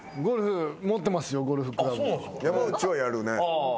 山内はやるね。